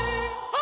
あ！